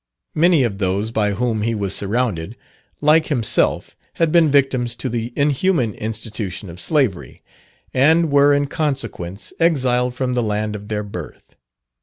Many of those by whom he was surrounded, like himself, had been victims to the inhuman institution of Slavery, and were in consequence exiled from the land of their birth.